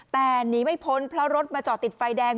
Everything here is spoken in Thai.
แต่หนีไม่พ้นเพราะรถมาจอดติดไฟแดง